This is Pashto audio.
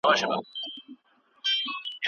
د پښتنو قابیله څه دې وکړل ؟!